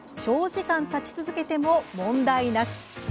長時間、立ち続けても問題なし。